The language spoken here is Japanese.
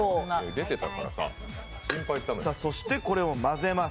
そしてこれを混ぜます。